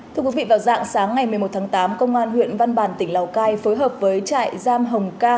thưa quý vị vào dạng sáng ngày một mươi một tháng tám công an huyện văn bàn tỉnh lào cai phối hợp với trại giam hồng ca